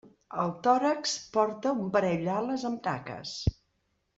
El tòrax porta un parell d'ales amb taques.